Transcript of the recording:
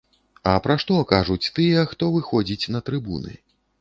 А пра што кажуць тыя, хто выходзіць на трыбуны?